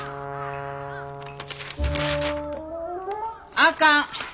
あかん。